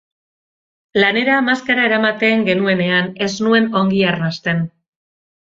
Lanera maskara eramaten genuenean ez nuen ongi arnasten.